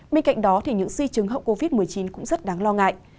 bên cạnh đó thì những di chứng hậu covid một mươi chín cũng rất đáng lo ngại